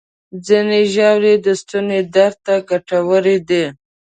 ځینې ژاولې د ستوني درد ته ګټورې دي.